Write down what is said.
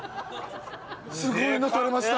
すごいの取れました。